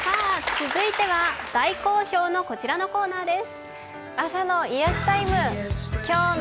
続いては大好評のこちらのコーナーです。